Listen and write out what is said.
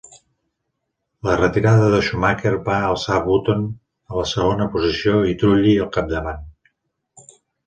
La retirada de Schumacher va alçar Button a la segona posició i Trulli al capdavant.